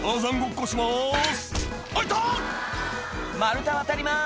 「丸太渡ります」